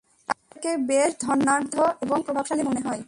তাদেরকে বেশ ধনাঢ্য এবং প্রভাবশালী মনে হয়।